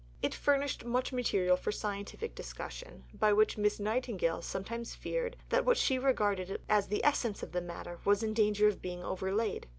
It furnished much material for scientific discussion, by which Miss Nightingale sometimes feared that what she regarded as the essence of the matter was in danger of being overlaid.